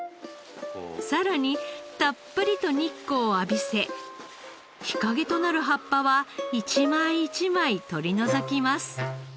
さらにたっぷりと日光を浴びせ日陰となる葉っぱは一枚一枚取り除きます。